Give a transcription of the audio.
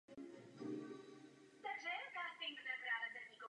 Ve stejném roce byl do klubu sloučen klub "Sokol Vítkovice".